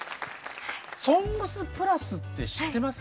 「ＳＯＮＧＳ＋ＰＬＵＳ」って知ってます？